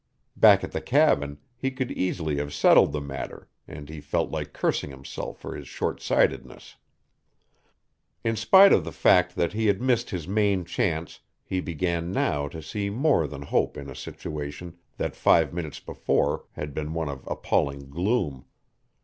Back at the cabin he could easily have settled the matter, and he felt like cursing himself for his shortsightedness. In spite of the fact that he had missed his main chance he began now to see more than hope in a situation that five minutes before had been one of appalling gloom.